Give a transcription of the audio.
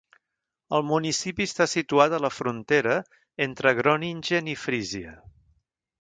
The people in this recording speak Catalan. El municipi està situat a la frontera entre Groningen i Frísia.